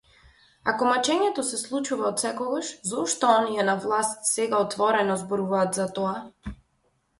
Ако мачењето се случува отсекогаш, зошто оние на власт сега отворено зборуваат за тоа?